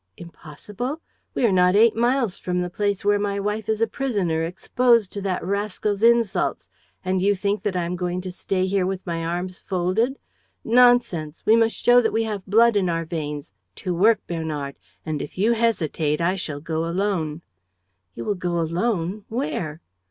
"Impossible? We are not eight miles from the place where my wife is a prisoner, exposed to that rascal's insults, and you think that I am going to stay here with my arms folded? Nonsense! We must show that we have blood in our veins! To work, Bernard! And if you hesitate I shall go alone." "You will go alone? Where?"